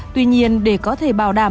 tuy nhiên để có thể bảo đảm